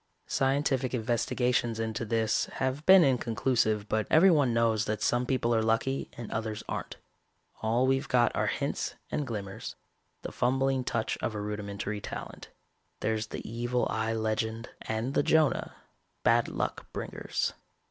Scientific investigations into this have been inconclusive, but everyone knows that some people are lucky and others aren't. All we've got are hints and glimmers, the fumbling touch of a rudimentary talent. There's the evil eye legend and the Jonah, bad luck bringers.